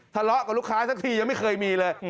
ทะเลาะกับลูกค้าสักทียังไม่เคยมีเลย